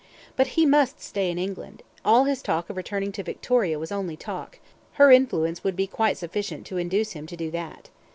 But he must stay in England; all his talk of returning to Victoria was only talk; her influence would be quite sufficient to induce him to do that.